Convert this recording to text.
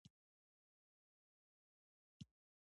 نفت د افغانستان په هره برخه کې موندل کېږي.